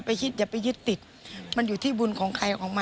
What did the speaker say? พี่นางของเรานี่เองนะคุณผู้ชม